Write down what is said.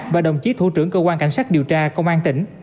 và đồng chí thủ trưởng cơ quan cảnh sát điều tra công an tỉnh